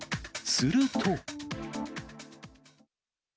すると。